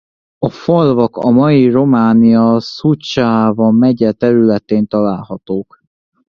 A falvak a mai Románia Szucsáva megye területén találhatók.